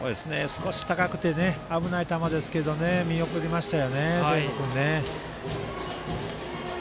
少し高くて危ない球ですが清野君、見送りましたね。